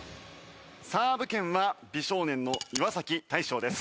サーブ権は美少年の岩大昇です。